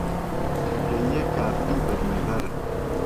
گهییه کافری بهدنەزەر